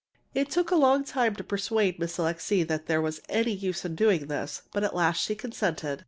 It took a long time to persuade Miss Alixe that there was any use in doing this, but at last she consented.